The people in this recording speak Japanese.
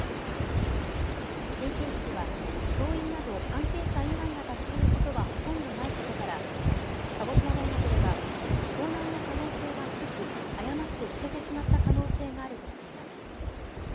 研究室は教員など関係者以外が立ち入ることはほとんどないことから鹿児島大学では盗難の可能性は低く誤って捨ててしまった可能性があるとしています。